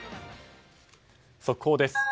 速報です。